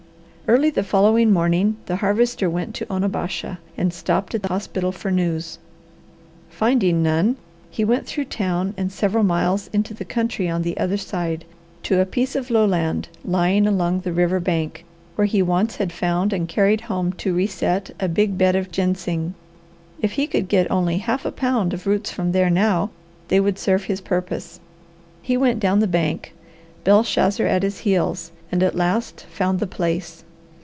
Early the following morning the Harvester went to Onabasha and stopped at the hospital for news. Finding none, he went through town and several miles into the country on the other side, to a piece of lowland lying along the river bank, where he once had found and carried home to reset a big bed of ginseng. If he could get only a half pound of roots from there now, they would serve his purpose. He went down the bank, Belshazzar at his heels, and at last found the place.